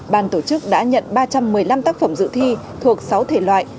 ban tổ chức đã nhận ba trăm một mươi năm tác phẩm dự thi thuộc sáu thể loại